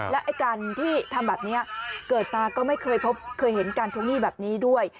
และการที่ทำแบบนี้เกิดมาก็ไม่เคยพบเคยเห็นการทวงหนี้แบบนี้ด้วย